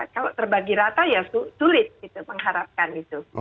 kalau terbagi rata ya sulit gitu mengharapkan itu